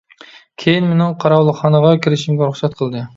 كېيىن مېنىڭ قاراۋۇلخانىغا كىرىشىمگە رۇخسەت قىلدى.